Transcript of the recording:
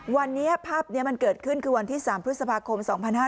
วันนี้ภาพนี้มันเกิดขึ้นคือวันที่๓พฤษภาคม๒๕๕๙